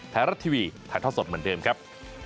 ไทยรัฐทีวีถ่ายทอดสดเหมือนเดิมครับ